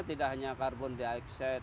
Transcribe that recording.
tidak hanya karbon di akses